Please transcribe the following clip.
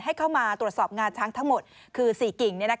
ให้เข้ามาตรวจสอบงาช้างทั้งหมดคือ๔กิ่ง